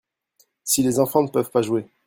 Si les enfants ne peuvent pas jouer.